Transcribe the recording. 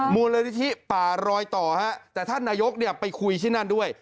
มูลนิธิป่ารอยต่อฮะแต่ท่านนายกเนี่ยไปคุยที่นั่นด้วย